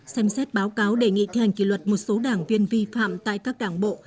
xem xét báo cáo đề nghị thi hành kỷ luật một số đảng viên vi phạm tại các đảng bộ